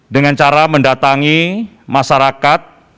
dengan cara mendatangi masyarakat